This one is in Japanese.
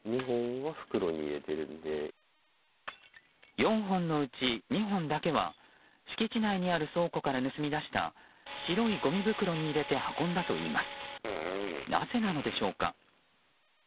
４本のうち２本だけは敷地内にある倉庫から盗み出した白いごみ袋に入れて運んだといいます。